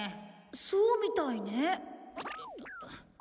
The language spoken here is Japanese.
そうみたいね。